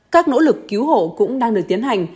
các nỗ lực cứu hộ cũng đang được tiến hành